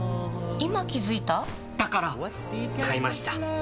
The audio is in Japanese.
今気付いた？だから！買いました。